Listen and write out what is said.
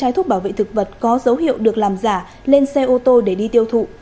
hai thuốc bảo vệ thực vật có dấu hiệu được làm giả lên xe ô tô để đi tiêu thụ